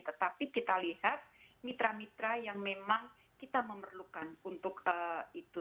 tetapi kita lihat mitra mitra yang memang kita memerlukan untuk itu